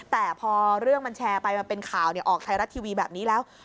แต่พอเรื่องมันแชร์ไปมันเป็นข่าวออกไทยรัฐทีวีแบบนี้แล้ว